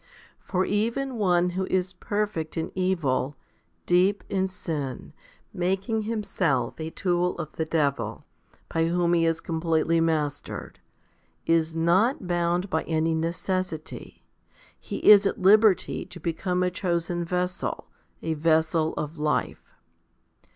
For even one who is perfect in evil, deep in sin, making himself a tool of the devil, by whom he is completely mastered, is not bound by any necessity. He is at liberty to become a chosen vessel, 1 a vessel of life.